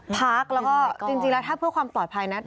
พักแล้วก็จริงแล้วถ้าเพื่อความปลอดภัยนะ